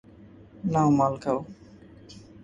নাও মাল খাও।